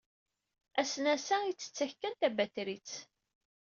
Asnas-a ittett-ak kan tabatrit.